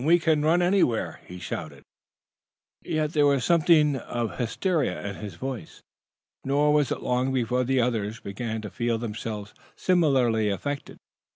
We can run anywhere!" he shouted. Yet there was something of hysteria in his voice. Nor was it long before the others began to feel themselves similarly affected.